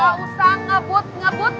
gak usah ngebut ngebut